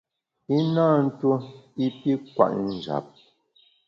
I na ntuo i pi kwet njap.